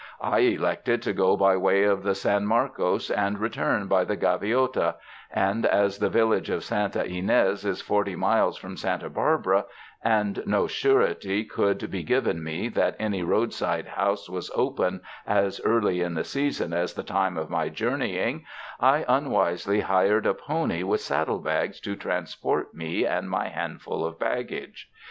I elected to go by way of the San Marcos and return by the Gaviota, and, as tlie village of Santa Ynez is forty miles from Santa Barbara and no surety could be given me that any roadside house was open as early in the season as the time of my journeying, I un wisely hired a pony with saddle bags to transport me and my handful of baggage.